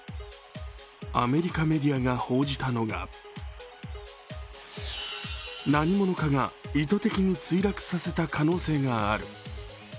アメリカメディアが報じたのが何者かが意図的に墜落させた可能性がある。